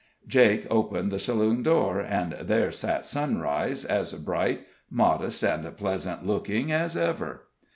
Jake opened the saloon door, and there sat Sunrise, as bright, modest, and pleasant looking as ever.